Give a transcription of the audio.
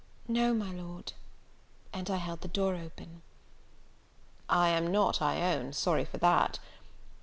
"No, my Lord." And I held the door open. "I am not, I own, sorry for that.